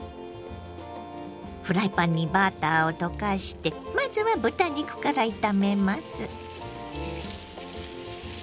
フライパンにバターを溶かしてまずは豚肉から炒めます。